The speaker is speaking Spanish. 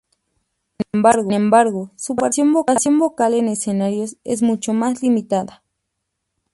Sin embargo, su participación vocal en escenarios es mucho más limitada.